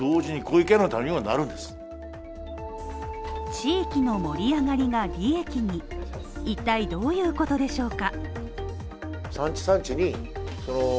地域の盛り上がりが利益に一体どういうことでしょうか。